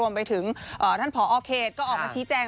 ไปถึงท่านผอเขตก็ออกมาชี้แจง